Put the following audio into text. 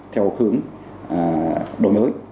theo hướng đổi mới